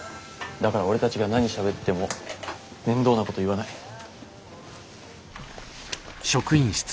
だから俺たちが何しゃべっても面倒なこと言わない。